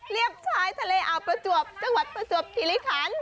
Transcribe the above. เรียบชายทะเลอาประจวบจังหวัดประจวบกิฤทธิ์ภัณฑ์